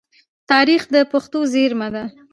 تاریخ د پېښو زيرمه ده.